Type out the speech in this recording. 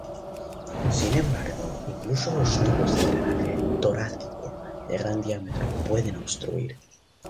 Sin embargo, incluso los tubos de drenaje torácico de gran diámetro pueden obstruir.